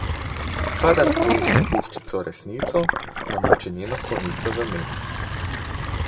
Kadar prožiš puščico resnico, namoči njeno konico v med.